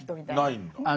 ないんだ。